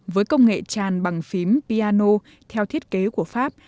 với công nghệ tràn bằng phím piano theo thiết kế của pháp